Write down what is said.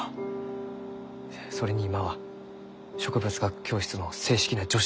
それに今は植物学教室の正式な助手じゃ。